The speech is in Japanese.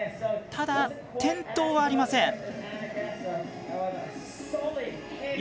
ただ、転倒はありません。